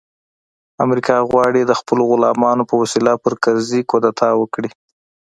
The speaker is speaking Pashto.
امریکا غواړي د خپلو غلامانو په وسیله پر کرزي کودتا وکړي